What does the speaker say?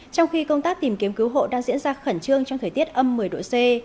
trong khi công tác tìm kiếm cứu hộ đang diễn ra khẩn trương trong thời tiết âm một mươi độ c